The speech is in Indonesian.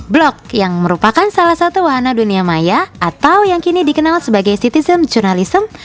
blok yang merupakan salah satu wahana dunia maya atau yang kini dikenal sebagai citizen journalism